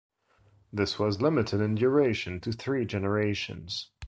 This was limited in duration to three generations.